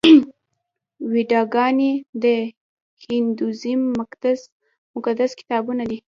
ویداګانې د هندویزم مقدس کتابونه دي.